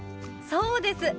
そうです。